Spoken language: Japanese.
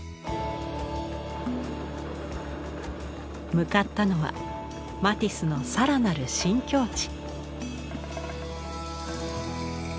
向かったのはマティスの更なる新境地。